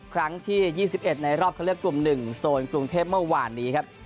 ครั้งที่๒๑ในรอบเข้าเลือกกลุ่ม๑โซนกรุงเทพเมื่อวานนี้ครับ